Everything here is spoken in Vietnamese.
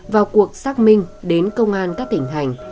vào cuộc xác minh đến công an các tỉnh hành